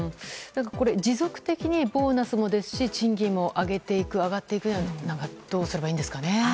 持続的にボーナスもですし賃金も上がっていくにはどうすればいいんですかね。